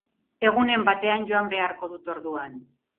Egunen batean joan beharko dut orduan.